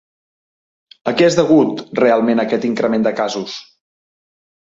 A què és degut realment aquest increment de casos?